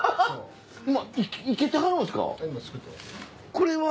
これは。